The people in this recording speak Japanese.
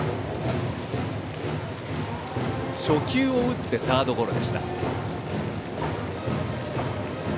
初球を打ってサードゴロでした。